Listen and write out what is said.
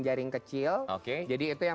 jaring kecil jadi itu yang